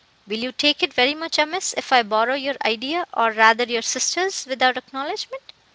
Will you take it very much amiss if I borrow your idea, or rather your sister's, without acknowledgement?